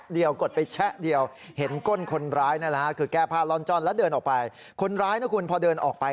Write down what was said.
พี่อย่าไปยุ่งกับหนูนะพี่ไปเลยนะ